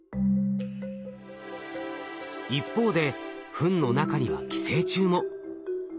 一方でフンの中には寄生虫も。